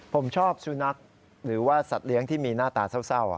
ผมชอบสุนัขหรือว่าสัตว์เลี้ยงที่มีหน้าตาเศร้า